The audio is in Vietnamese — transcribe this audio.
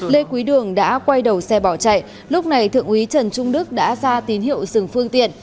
lê quý đường đã quay đầu xe bỏ chạy lúc này thượng úy trần trung đức đã ra tín hiệu dừng phương tiện